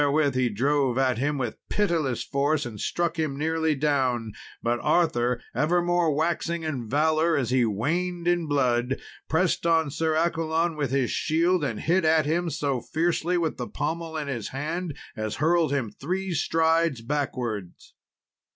Therewith he drove at him with pitiless force, and struck him nearly down; but Arthur evermore waxing in valour as he waned in blood, pressed on Sir Accolon with his shield, and hit at him so fiercely with the pommel in his hand, as hurled him three strides backwards.